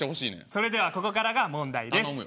それではここからが問題です。